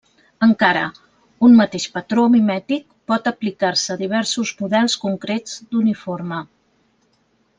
Encara: un mateix patró mimètic pot aplicar-se a diversos models concrets d'uniforme.